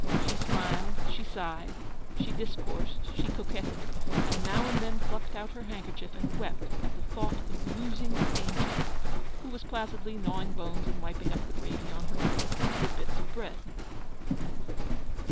She smiled, she sighed, she discoursed, she coquetted, and now and then plucked out her handkerchief and wept at the thought of losing the angel, who was placidly gnawing bones and wiping up the gravy on her plate with bits of bread.